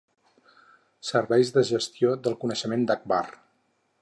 Serveis de Gestió del Coneixement d'Agbar.